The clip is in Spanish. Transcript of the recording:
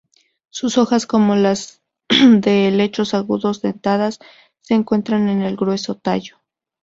Sus hojas como las de helechos agudo-dentadas se encuentran en el grueso tallo.